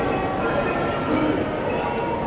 สวัสดีครับ